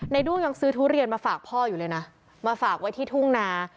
ด้วงยังซื้อทุเรียนมาฝากพ่ออยู่เลยนะมาฝากไว้ที่ทุ่งนา